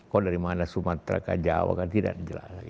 kalau dari mana sumatera jawa tidak jelas lagi